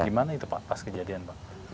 gimana itu pak pas kejadian pak